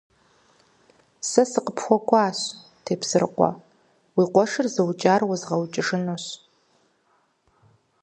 Сэ сыкъыпхуэкӀуащ, Тепсэрыкъуэ, уи къуэшыр зыукӀар уэзгъэукӀыжынущ.